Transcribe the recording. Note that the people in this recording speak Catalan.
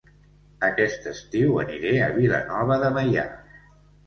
Aquest estiu aniré a Vilanova de Meià